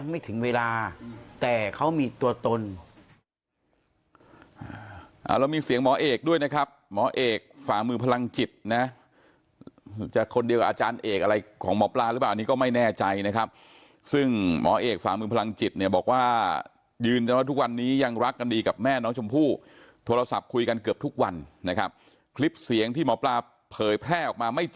มาแต่เขามีตัวตนอ่าเรามีเสียงหมอเอกด้วยนะครับหมอเอกฝ่ามือพลังจิตนะจะคนเดียวกับอาจารย์เอกอะไรของหมอปลาหรือเปล่านี่ก็ไม่แน่ใจนะครับซึ่งหมอเอกฝ่ามือพลังจิตเนี่ยบอกว่ายืนแล้วทุกวันนี้ยังรักกันดีกับแม่น้องชมพู่โทรศัพท์คุยกันเกือบทุกวันนะครับคลิปเสียงที่หมอปลาเผยแพร่ออกมาไม่จ